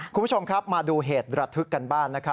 คุณผู้ชมครับมาดูเหตุระทึกกันบ้างนะครับ